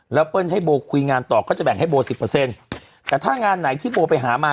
แล้วเปิ้ลให้โบคุยงานต่อก็จะแบ่งให้โบสิบเปอร์เซ็นต์แต่ถ้างานไหนที่โบไปหามา